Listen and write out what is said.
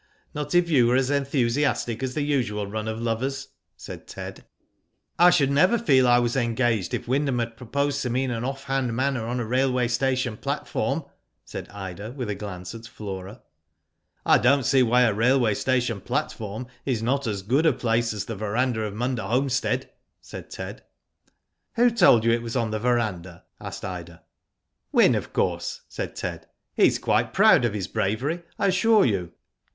"Not if you were as enthusiastic as the usual run of lovers," said Ted. u 2 Digitized by LjOOQIC 292 WHO DID ITf I should never feel I was engaged, if Wynd ham had proposed to me in an off hand manner on a railway station platform," said Ida, with a glance at Flora. "I don^t see why a railway station platform is not as good a place as the verandah of Munda homestead," said Ted. Who told you it was on the verandah ?" asked Ida. " Wyn, of course," said Ted. '* He's quite proud of his bravery, I assure you."